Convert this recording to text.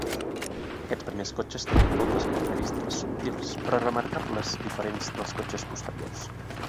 Aquest primers cotxes tenien moltes característiques subtils però remarcables diferents dels cotxes posteriors.